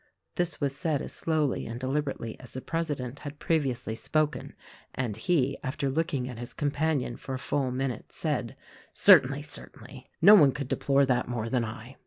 This was said as slowly and deliberately as the president had previously spoken; and he, after looking at his com panion for a full minute, said, "Certainly, certainly! No THE RECORDING ANGEL 115 one could deplore that more than I.